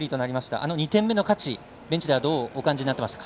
あの２点目の価値ベンチではどうお感じになっていますか？